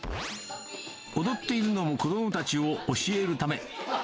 踊っているのも、子どもたちを教えるため。